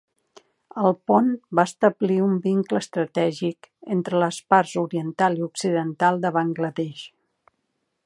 El pont va establir un vincle estratègic entre les parts oriental i occidental de Bangla Desh.